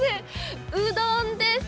うどんです。